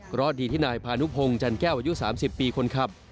เพราะดีที่นายพานุพงศ์จันแก้วอายุ๓๐ปีคนขับ